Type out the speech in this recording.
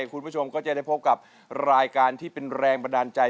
คุณผู้ชมก็จะได้พบกับรายการที่เป็นแรงบันดาลใจ